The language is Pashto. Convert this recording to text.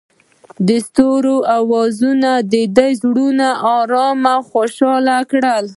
د ستوري اواز د دوی زړونه ارامه او خوښ کړل.